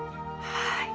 はい。